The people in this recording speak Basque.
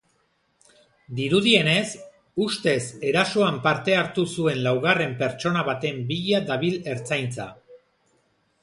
Dirudienez, ustez erasoan parte hartu zuen laugarren pertsona baten bila dabil ertzaintza.